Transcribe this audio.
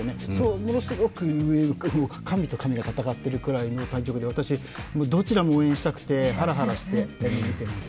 ものすごく上の、神と神が戦っているような対局で、私どちらも応援したくてハラハラして見ています。